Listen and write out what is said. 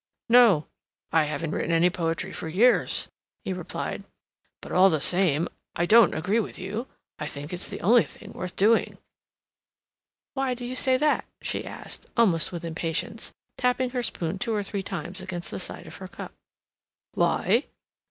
"No. I haven't written any poetry for years," he replied. "But all the same, I don't agree with you. I think it's the only thing worth doing." "Why do you say that?" she asked, almost with impatience, tapping her spoon two or three times against the side of her cup. "Why?"